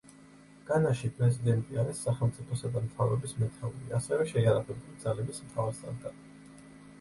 განაში პრეზიდენტი არის სახელმწიფოსა და მთავრობის მეთაური, ასევე შეიარაღებული ძალების მთავარსარდალი.